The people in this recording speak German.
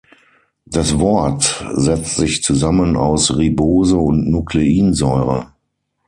Das Wort setzt sich zusammen aus Ribose und Nukleinsäure.